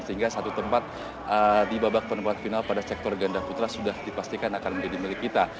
sehingga satu tempat di babak penempat final pada sektor ganda putra sudah dipastikan akan menjadi milik kita